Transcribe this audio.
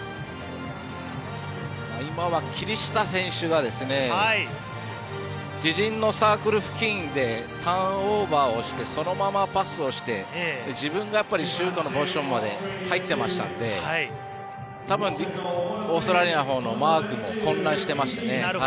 今は霧下選手が自陣のサークル付近でターンオーバーをしてそのままパスをして自分がシュートのポジションまで入ってましたので多分オーストラリアのほうのマークも混乱してましたね。